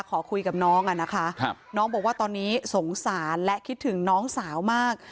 ขอคุยกับน้องอ่ะนะคะน้องบอกว่าตอนนี้สงสารและคิดถึงน้องสาวมาก